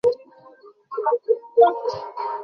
ওহ, আগুন নিভে গেছে।